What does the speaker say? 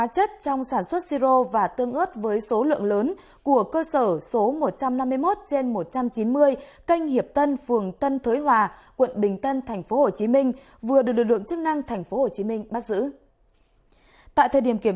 các bạn hãy đăng ký kênh để ủng hộ kênh của chúng mình nhé